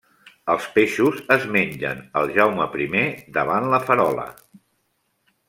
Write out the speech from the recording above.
Els peixos és mengen el Jaume Primer davant la Farola.